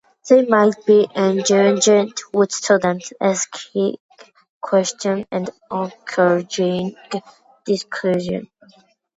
They might be engaging with students, asking questions and encouraging discussions.